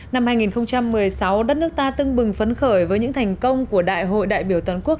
năm hai nghìn một mươi sáu đất nước ta tưng bừng phấn khởi với những thành công của đại hội đại biểu toàn quốc